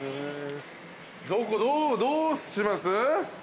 どうします？